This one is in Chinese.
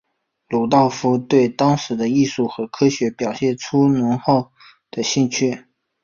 鲁道夫对当时的艺术和科学表现出浓厚的兴趣。